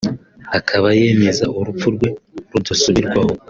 akaba yemeza urupfu rwe rudasubirwaho